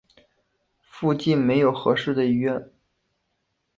附近没有适合的医院